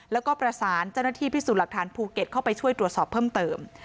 แล้วก็ประสานเจ้าหน้าที่พิสูจน์หลักฐานภูเก็ตเข้าไปช่วยตรวจสอบเพิ่มเติม